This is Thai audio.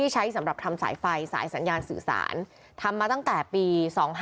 ใช้สำหรับทำสายไฟสายสัญญาณสื่อสารทำมาตั้งแต่ปี๒๕๕๙